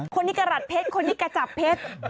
คนที่กระหลัดเพชรคนที่กระจับเพชร